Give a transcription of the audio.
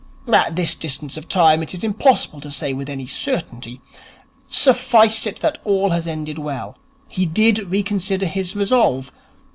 At this distance of time it is impossible to say with any certainty. Suffice it that all has ended well. He did reconsider his resolve.